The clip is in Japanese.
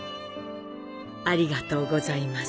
ありがとうございます。